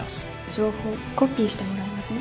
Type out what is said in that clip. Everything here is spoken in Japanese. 情報コピーしてもらえません？